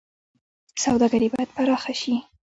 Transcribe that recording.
سوداګري باید پراخه شي